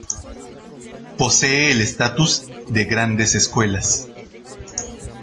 Posee el estatus de "Grandes Escuelas".